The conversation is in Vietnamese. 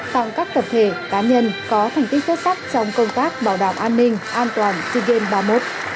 tặng các tập thể cá nhân có thành tích xuất sắc trong công tác bảo đảm an ninh an toàn sea games ba mươi một